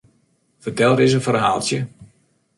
Fertel ris in ferhaaltsje?